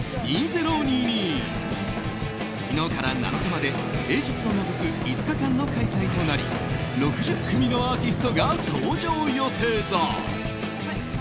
昨日から７日まで平日を除く５日間の開催となり６０組のアーティストが登場予定だ。